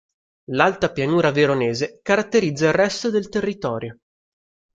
L'alta pianura veronese caratterizza il resto del territorio.